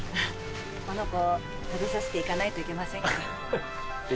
この子を食べさせていかないといけませんから。